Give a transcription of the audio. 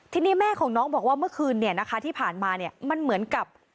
ทีนี้แม่ของน้องบอกว่าเมื่อคืนเนี่ยนะคะที่ผ่านมาเนี่ยมันเหมือนกับ